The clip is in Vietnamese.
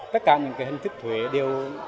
tất cả những cái hình thức thuế đều